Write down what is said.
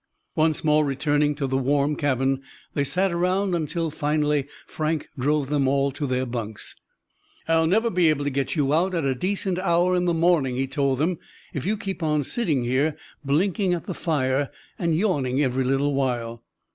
Once more returning to the warm cabin, they sat around until finally Frank drove them all to their bunks. "I'll never be able to get you out at a decent hour in the morning," he told them, "if you keep on sitting here, blinking at the fire, and yawning every little while."